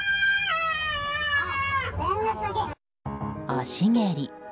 足蹴り。